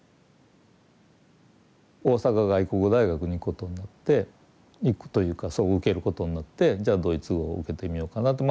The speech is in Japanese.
大阪外国語大学に行くことになって行くというかそこを受けることになってじゃあドイツ語を受けてみようかなと。